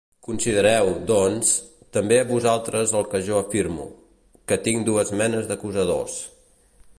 Considereu, doncs, també vosaltres el que jo afirmo: que tinc dues menes d'acusadors: